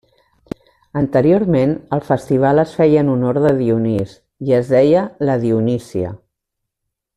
Anteriorment el festival es feia en honor de Dionís i es deia la Dionísia.